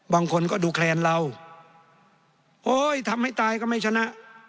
บางคนก็ดูแคลนเราโอ้ยทำให้ตายก็ไม่ชนะ